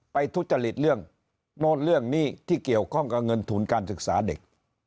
ทุจริตเรื่องโน่นเรื่องนี้ที่เกี่ยวข้องกับเงินทุนการศึกษาเด็ก